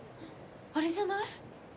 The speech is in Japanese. ・・あれじゃない？